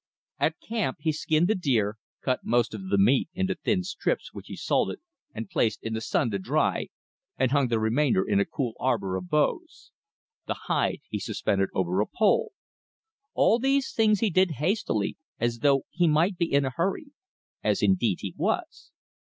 At camp he skinned the deer, cut most of the meat into thin strips which he salted and placed in the sun to dry, and hung the remainder in a cool arbor of boughs. The hide he suspended over a pole. All these things he did hastily, as though he might be in a hurry; as indeed he was.